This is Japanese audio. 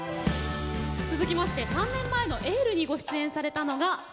続きまして３年前の「エール」にご出演されたのが彩青さんです。